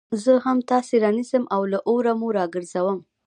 زه هم تاسي رانيسم او له اوره مو راگرځوم